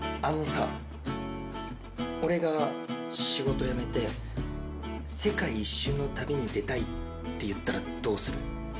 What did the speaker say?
あのさ俺が仕事辞めて世界一周の旅に出たいって言ったらどうする？